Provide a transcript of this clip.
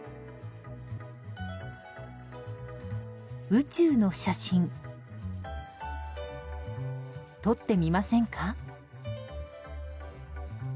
宇宙の写真撮ってみませんか？